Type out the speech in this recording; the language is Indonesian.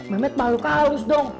mehmet malu kalus dong